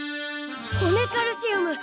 骨カルシウム。